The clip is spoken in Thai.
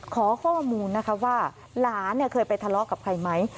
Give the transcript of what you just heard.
ขอข้อมูลนะคะว่าหลานเคยไปทะเลาะกับใครไหม